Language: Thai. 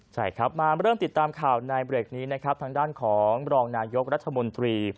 มามาเริ่มติดตามข่าวในเบือกนี้ทางด้านของรองนาโยกราธมนตรี